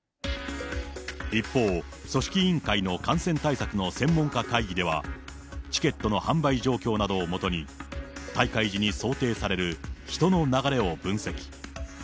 一方、組織委員会の感染対策の専門家会議では、チケットの販売状況などをもとに、大会時に想定される人の流れを分析。